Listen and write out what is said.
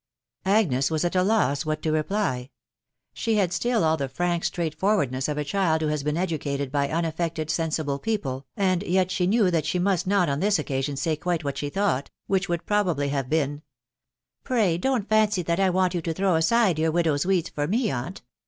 Agnes was at a loss what to reply ; she had still all the frank straight forwardness of a child who has been educated by unaffected, sensible people, and yet she knew that she mus* not on this occasion say quite what she thought, which would probably have been, —" Pray, don't fancy that I want you to throw aside your widow's weeds for me, aunt.